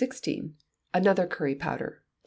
Another Curry Powder (2).